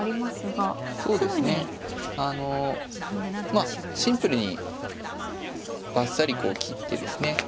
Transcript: まあシンプルにばっさりこう切ってですね